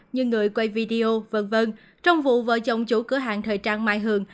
như người quay video v v trong vụ vợ chồng chủ cửa hàng thời trang mai hường